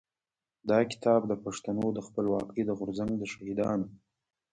دا کتاب د پښتنو د خپلواکۍ د غورځنګ د شهيدانو.